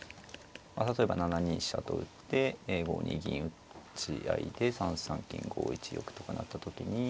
例えば７二飛車と打って５二銀打ち合いで３三金５一玉とかなった時に。